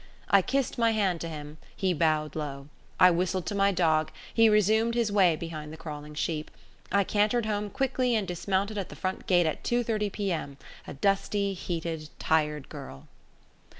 I kissed my hand to him; he bowed low; I whistled to my dog; he resumed his way behind the crawling sheep; I cantered home quickly and dismounted at the front gate at 2.30 p.m., a dusty, heated, tired girl.